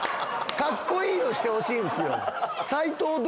カッコいいのしてほしいんすよ。